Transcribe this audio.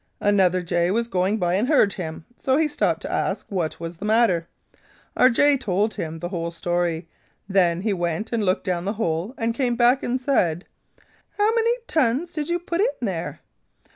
"Another jay was going by and heard him. So he stopped to ask what was the matter. Our jay told him the whole story. Then he went and looked down the hole and came back and said: 'How many tons did you put in there?'